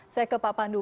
saya ke pak pandu